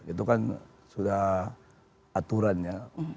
itu kan sudah aturannya